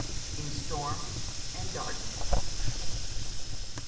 IN STORM AND DARKNESS.